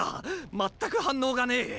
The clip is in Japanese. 全く反応がねェ。